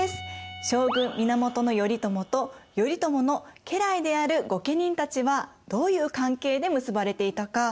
将軍・源頼朝と頼朝の家来である御家人たちはどういう関係で結ばれていたか覚えてますか？